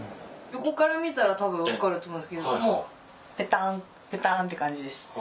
横から見たら多分分かると思うんですけどもうペタンペタンって感じです。